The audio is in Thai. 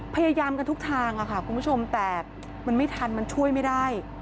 พยายามกันทุกทางค่ะคุณผู้ชมแต่มันไม่ทันมันช่วยไม่ได้